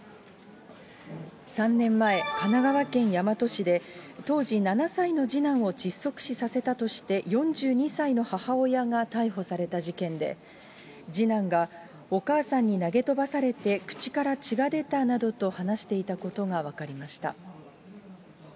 ３年前、神奈川県大和市で、当時７歳の次男を窒息死させたとして、４２歳の母親が逮捕された事件で、次男がお母さんに投げ飛ばされて口から血が出たなどと話していたことが分かりました。